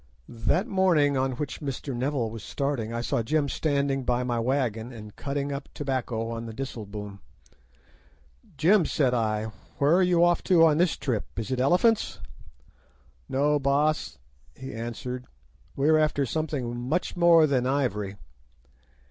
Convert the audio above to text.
That morning on which Mr. Neville was starting I saw Jim standing by my wagon and cutting up tobacco on the disselboom. "'Jim,' said I, 'where are you off to this trip? It is elephants?' "'No, Baas,' he answered, 'we are after something worth much more than ivory.